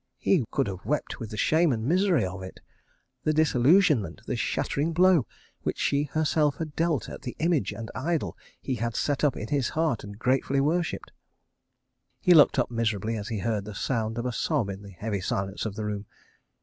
... He could have wept with the shame and misery of it, the disillusionment, the shattering blow which she herself had dealt at the image and idol that he had set up in his heart and gratefully worshipped. He looked up miserably as he heard the sound of a sob in the heavy silence of the room.